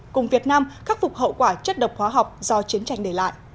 cùng việt nam khắc phục hậu quả chất độc hóa học do chiến tranh để lại